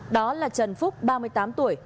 đó là trần phúc ba mươi tám tuổi